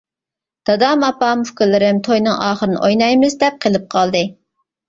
دادام ئاپام ئۇكىلىرىم توينىڭ ئاخىرىنى ئوينايمىز، دەپ قېلىپ قالدى.